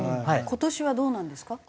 今年はどうなんですか？